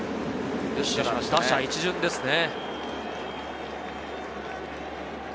打者一巡ですね。